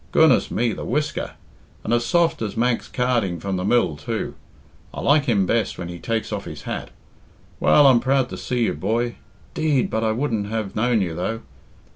Goodness me, the whisker! And as soft as Manx carding from the mill, too. I like him best when he takes off his hat. Well, I'm proud to see you, boy. 'Deed, but I wouldn't have known you, though.